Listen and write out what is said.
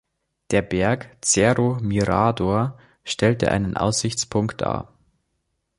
Der Berg "Cerro Mirador" stellt einen Aussichtspunkt dar.